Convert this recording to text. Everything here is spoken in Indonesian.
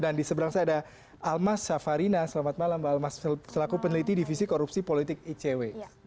dan di seberang saya ada almas shafarina selamat malam mbak almas selaku peneliti divisi korupsi politik icw